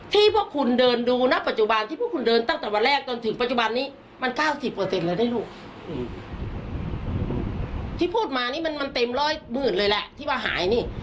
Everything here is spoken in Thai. ที่พูดมานี่มันมันเต็มร่อยหมื่นเลยล่ะที่ผ่าหายนี่